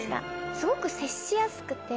すごく接しやすくて。